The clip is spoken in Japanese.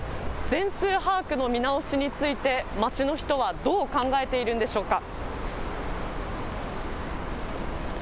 全数把握の見直しについて街の人はどう考えているんでしょうか。